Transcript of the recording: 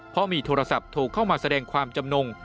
เพราะมีโทรศัพท์โทรเข้ามาแสดงความจำนง